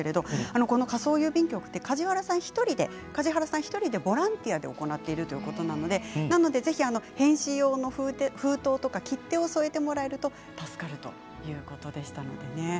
この仮想郵便局は梶原さん１人でボランティアで行っているということなのでぜひ返信用の封筒や切手を添えてもらえると助かるということでした。